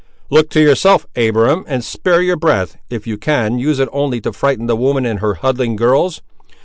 "Look to yourself, Abiram; and spare your breath, if you can use it only to frighten the woman and her huddling girls.